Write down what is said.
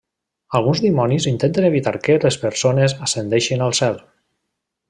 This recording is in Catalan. Alguns dimonis intenten evitar que les persones ascendeixin al Cel.